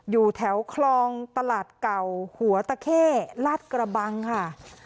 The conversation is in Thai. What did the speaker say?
อยู่แถวคลองตลาดเก่าหัวตะเข้ลาดกระบังค่ะ